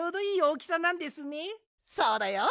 そうだよ。